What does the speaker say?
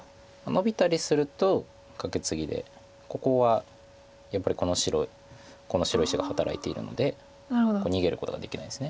ノビたりするとカケツギでここはやっぱりこの白石が働いているので逃げることができないです。